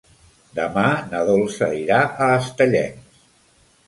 Demà na Dolça irà a Estellencs.